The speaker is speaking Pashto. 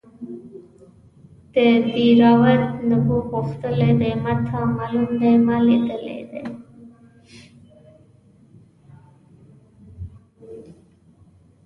د دیراوت نبو غښتلی دی ماته معلوم دی ما لیدلی دی.